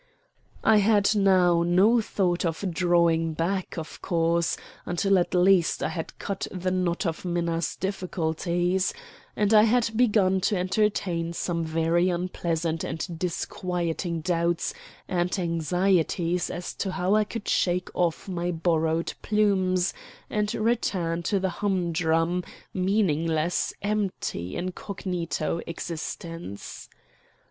I had now no thought of drawing back, of course, until at least I had cut the knot of Minna's difficulties; and I had begun to entertain some very unpleasant and disquieting doubts and anxieties as to how I could shake off my borrowed plumes and return to the humdrum, meaningless, empty, incognito existence.